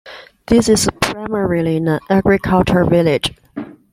This is primarily an agricultural village.